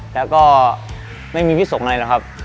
แล้วก็ไม่มีวิสงฆ์อะไรหรอกครับ